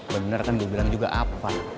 bener kan dia bilang juga apa